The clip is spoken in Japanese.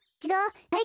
はい！